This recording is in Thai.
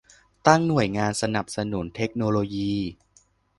ตั้งหน่วยงานสนับสนุนเทคโนโลยี